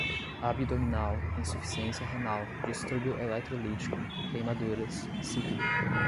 abdominal, insuficiência renal, distúrbio eletrolítico, queimaduras, cíclico